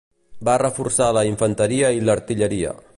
Va reforçar la infanteria i l'artilleria.